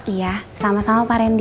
iya sama sama pak randy